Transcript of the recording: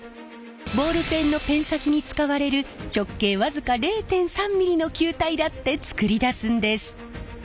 ボールペンのペン先に使われる直径僅か０．３ｍｍの球体だって作り出すんです！